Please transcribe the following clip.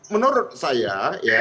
menurut saya ya